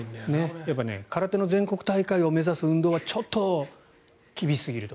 やっぱり空手の全国大会を目指す運動はちょっと厳しすぎると。